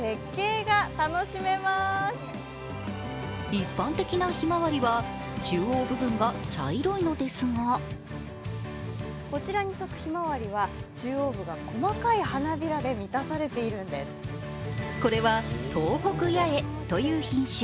一般的なひまわりは中央部分が茶色いのですがこれは東北八重という品種。